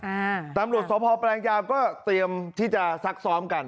อ่าตำรวจทรพปรัญญาก็เตรียมที่จะสักซ้อมกัน